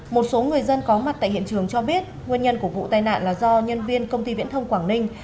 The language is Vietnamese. một số người dân có mặt tại hiện trường cho biết nguyên nhân của vụ tai nạn là do nhân viên công ty viễn thông quảng ninh